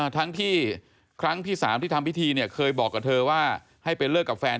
ทั้งที่ครั้งที่๓ที่ทำพิธีเนี่ยเคยบอกกับเธอว่าให้ไปเลิกกับแฟน